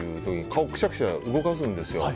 顔をくしゃくしゃ動かすんですよ。